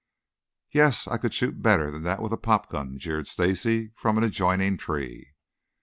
"Yes. I could shoot better than that with a pop gun," jeered Stacy from an adjoining tree.